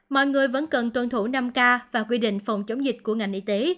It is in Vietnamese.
mọi người vẫn cần tuân thủ năm k và quy định phòng chống dịch của ngành y tế